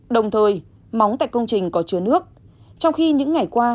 đồng thời móng tại công trình có chứa nước trong khi những ngày qua